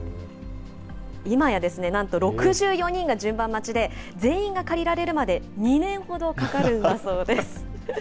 いまやなんと６４人が順番待ちで、全員が借りられるまで２年ほどかかるんだそうです。